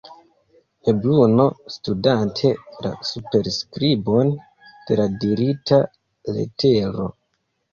Lebruno, studante la superskribon de la dirita letero.